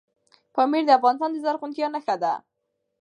پامیر د افغانستان د زرغونتیا نښه ده.